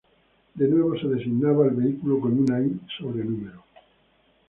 De nuevo se designaba al vehículo con una Y sobre número.